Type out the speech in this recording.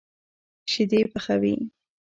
شيدې پخوي.